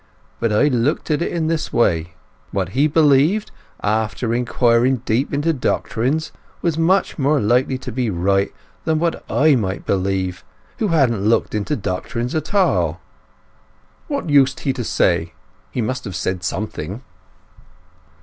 But I looked at it in this way; what he believed, after inquiring deep into doctrines, was much more likely to be right than what I might believe, who hadn't looked into doctrines at all." "What used he to say? He must have said something?"